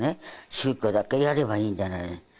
宗教だけやればいいんじゃない